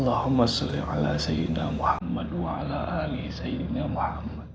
apa orang ustadz belon belon sih